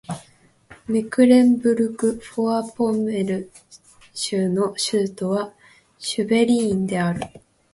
メクレンブルク＝フォアポンメルン州の州都はシュヴェリーンである